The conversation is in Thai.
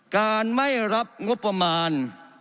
การไม่รับงบประมาณ